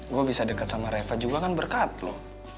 gue bisa dekat sama reva juga kan berkat loh